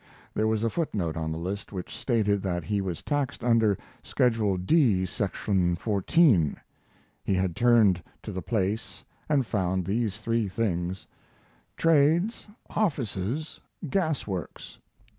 There was a foot note on the list which stated that he was taxed under "Schedule D, section 14." He had turned to that place and found these three things: "Trades, Offices, Gas Works."